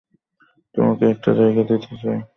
তোমাকে একটা জায়গা দিতে চাই, যেটা এখন পর্যন্ত কাউকে দেইনি।